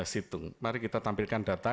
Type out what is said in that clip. situng mari kita tampilkan data